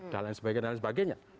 dan lain sebagainya